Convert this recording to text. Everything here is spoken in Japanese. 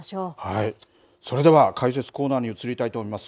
それでは解説コーナーに移りたいと思います。